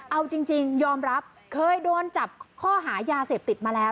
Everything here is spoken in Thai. เอาจริงยอมรับเคยโดนจับข้อหายาเสพติดมาแล้ว